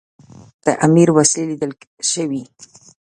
د امیر وسلې لیدل سوي.